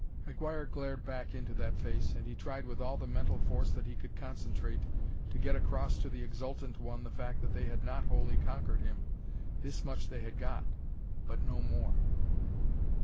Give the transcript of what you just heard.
McGuire glared back into that face, and he tried with all the mental force that he could concentrate to get across to the exultant one the fact that they had not wholly conquered him. This much they had got but no more!